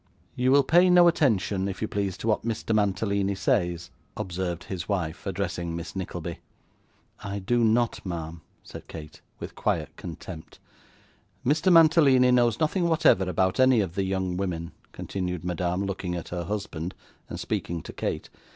'You will pay no attention, if you please, to what Mr. Mantalini says,' observed his wife, addressing Miss Nickleby. 'I do not, ma'am,' said Kate, with quiet contempt. 'Mr. Mantalini knows nothing whatever about any of the young women,' continued Madame, looking at her husband, and speaking to Kate.